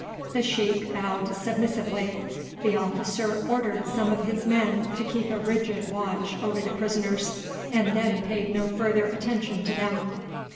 The sheik bowed submissively. The officer ordered some of his men to keep a rigid watch over the prisoners, and then paid no further attention to them.